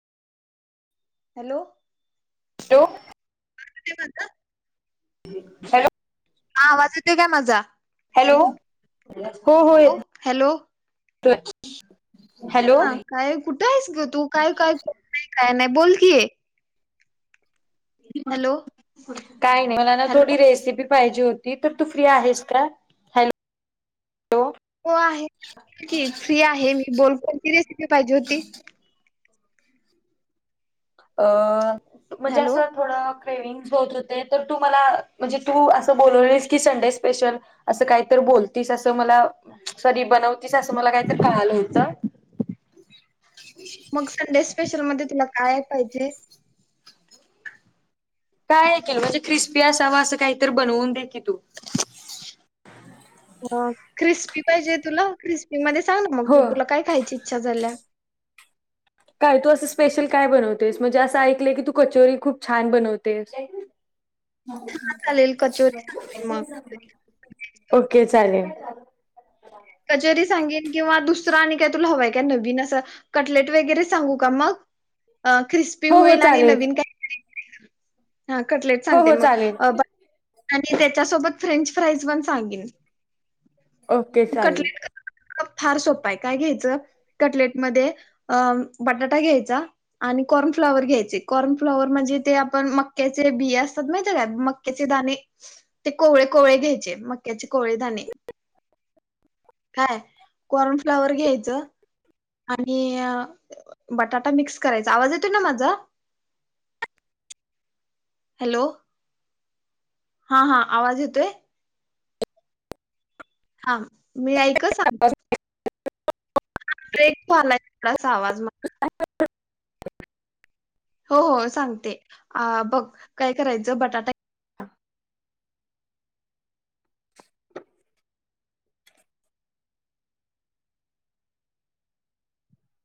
Hello. Hello. [unintelligible] Hello. हा आवाज येत काय माझा? हॅलो हो, हो हॅलो येतोय. [unintelligible] हॅलो ह काय कुठे आहेस ग तू काय काय! काय नाही बोल कि - काही नाही मला ना हॅलो थोडी रेसिपी! पाहिजे होती तर तू फ्री आहेस का हॅलो. हो आहे फ्री आहे मी बोल कची रेसिपी पाहिजे होती. अ म्हणजे हॅलो असं थोडं - सेविंग स होते होते तर तू मला म्हणजे तू अस बोलवलीस की संडे स्पेशल अस काहीत बोलतीस अस मला सॉरी बनवतीस अस मला काहीत कळालं होत. मग संडे स्पेशल मध्ये तुला काय - पाहिजे. काय ऐ केल म्हणजे क्रिस्पी असावा असं काहीत बनवून दे की तू - क्रिस्पी पाहिजे तुला क्रिस्पी मध्ये! सांग ना मग हो तुला काय खायची इच्छा झाल्या. काय तू असं स्पेशल काय बनवतेस म्हणजे असं ऐकलंय की तू कचोरी खूप छान बनवतेस. चालेल कचोरी सांगते मग [unintelligible] ओके चालेल. [unintelligible] कचोरी सांगेन किंवा दुसरं आणि काय तुला हवय काय नवीन असं कटलेट वगैरे सांगू का मग! ख्रिस्पी हो हो होईल आणि चालेल नवीन काय तरी! [unintelligible] हा कटलेट हो सांगते हो मग चालेल हां - आणि त्याच्यासोबत फ्रेंच फ्राईज पण सांगेन! ओके चालेल. कटलेट फार सोपं आहे काय घ्यायचं कटलेटमध्ये अ बटाटा घ्यायचा आणि कॉर्नफ्लॉवर घ्यायचे कॉर्नफ्लॉवर म्हणजे ते आपण मक्याचे बिया असत्यात माहित का मक्याचे दाणे ते कोवळे कोवळे घ्यायचे मक्याचे कोवळे दाणे. काय कॉर्न फ्लवर घ्यायचं. आणि बटाटा मिक्स करायचा आवाज येतो ना माझा! हॅलो हा हा आवाज येतोय हां मी ऐक ह् सांगते ब्रेक झालाय तोडा चावाज मा हो हो सांगते अ बघ काय करायचं बटाटा